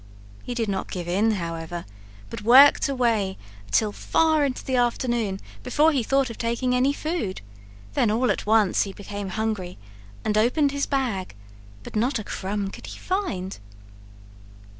He did not give in, however, but worked away till far into the afternoon before he thought of taking any food; then all at once he became hungry and opened his bag, but not a crumb could he find.